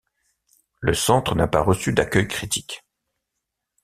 Le centre n'a pas reçu d'accueil critique.